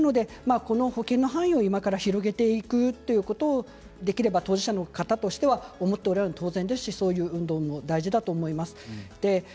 この保険の範囲を今から広げていくということをできれば当事者として思うのは当然ですしそれも大事だと思います。